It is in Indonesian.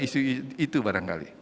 isu itu barangkali